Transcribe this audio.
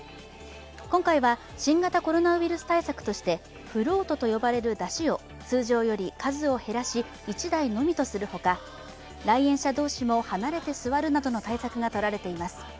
今回は新型コロナウイルス対策として、フロートと呼ばれる山車を通常より数を減らし１台のみとするほか来園者同士も離れて座るなどの対策がとられています。